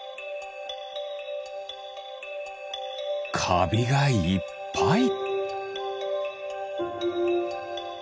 かびがいっぱい。